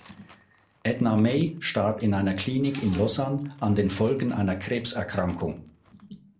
Edna May starb in einer Klinik in Lausanne an den Folgen einer Krebserkrankung.